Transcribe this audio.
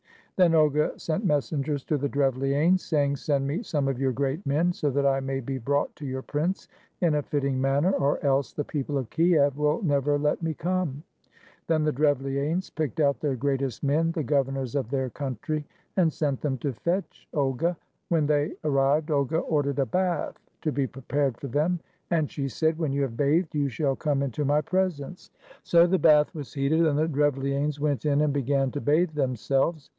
Then Olga sent messengers to the DrevHanes, saying, "Send me some of your great men, so that I may be brought to your prince in a fitting manner, or else the people of Kiev will never let me come." Then the Drev Hanes picked out their greatest men — the governors of their country — and sent them to fetch Olga. When they arrived, Olga ordered a bath to be prepared for them, and she said, "When you have bathed you shall come into 24 THE VENGEANCE OF QUEEN OLGA my presence." So the bath was heated, and the Drevli anes went in and began to bathe themselves.